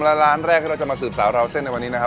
และร้านแรกที่เราจะมาสืบสาวราวเส้นในวันนี้นะครับ